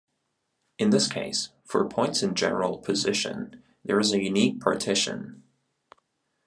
In this case, for points in general position, there is a unique partition.